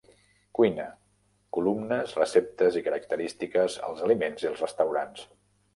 Cuina: columnes, receptes i característiques als aliments i els restaurants.